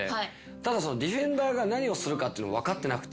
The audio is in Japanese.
ただそのディフェンダーが何をするかっていうの分かってなくて。